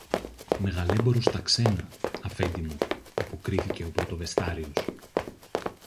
Μεγαλέμπορος στα ξένα, Αφέντη μου, αποκρίθηκε ο πρωτοβεστιάριος.